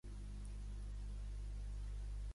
Deposaren Jesús de la creu.